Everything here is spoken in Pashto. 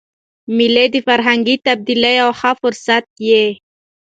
مېلې د فرهنګي تبادلې یو ښه فرصت يي.